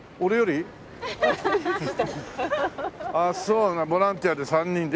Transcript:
そうなのボランティアで３人で。